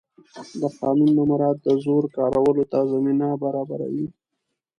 د قانون نه مراعت د زور کارولو ته زمینه برابروي